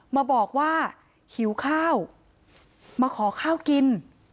มาบอกว่าหิวข้าวมาขอข้าวกิน